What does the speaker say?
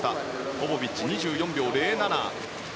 ポポビッチ、２４秒０７。